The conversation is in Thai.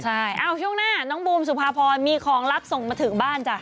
ใช่ช่วงหน้าน้องบูมสุภาพรมีของลับส่งมาถึงบ้านจ้ะ